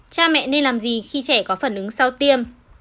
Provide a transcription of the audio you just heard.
cha mẹ nên làm gì khi trẻ có phản ứng sau tiêm